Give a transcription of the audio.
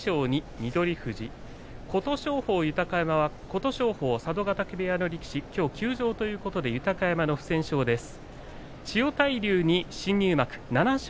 琴勝峰、佐渡ヶ嶽部屋の力士きょう休場ということで豊山、不戦勝です。